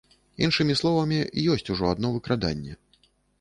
Іншымі словамі, ёсць ужо адно выкраданне.